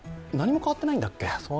何も変わってないんだっけ？